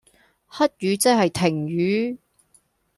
黑雨即係停雨